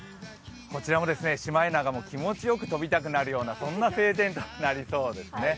こちらもシマエナガも気持ちよく飛びたくなりそうな晴天となりそうです。